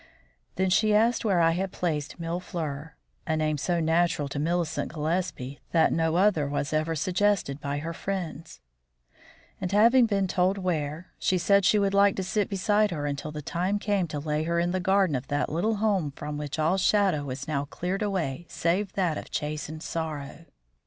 Then she asked where I had placed Mille fleurs (a name so natural to Millicent Gillespie that no other was ever suggested by her friends); and, having been told where, said she would like to sit beside her until the time came to lay her in the garden of that little home from which all shadow was now cleared away save that of chastened sorrow.